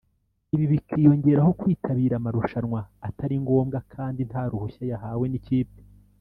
ibi bikiyongeraho kwitabira amarushanwa atari ngombwa kandi nta ruhushya yahawe n’ikipe